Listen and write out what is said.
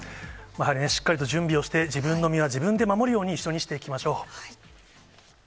しっかりと準備をして、自分の身は自分で守るように一緒にしていきましょう。